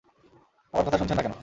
আমার কথা শুনছেন না কেন?